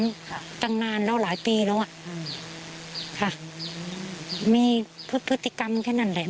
ค่ะตั้งนานแล้วหลายปีแล้วอ่ะอืมค่ะมีพฤติกรรมแค่นั้นแหละ